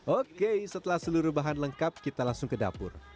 oke setelah seluruh bahan lengkap kita langsung ke dapur